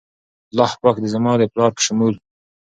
الله پاک د زما د پلار په شمول